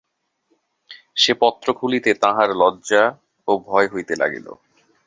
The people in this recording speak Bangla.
সে পত্র খুলিতে তাঁহার লজ্জা ও ভয় হইতে লাগিল।